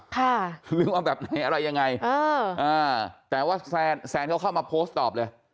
ค่ะหรือว่าแบบอะไรยังไงแต่ว่าแซนเขาเข้ามาโพสต์ตอบเลย